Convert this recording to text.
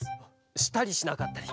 したりしなかったり。